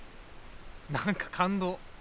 何か感動。